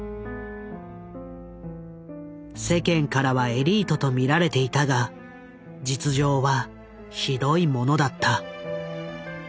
世間からはエリートと見られていたが実情はひどいものだった。